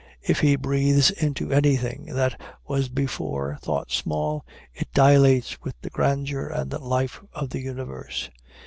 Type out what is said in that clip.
If he breathes into anything that was before thought small, it dilates with the grandeur and life of the universe.